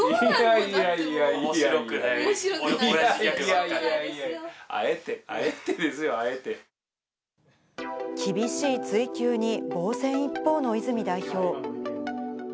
いやいやいや、あえてですよ、厳しい追及に、防戦一方の泉代表。